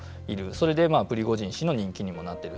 それでプリゴジン氏の人気にもなっている。